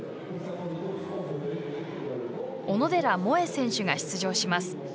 小野寺萌恵選手が出場します。